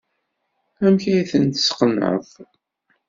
Amek ay ten-tesqenɛeḍ?